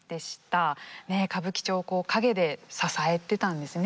歌舞伎町を陰で支えてたんですよね。